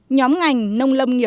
nhóm ngành nông lâm nghiệp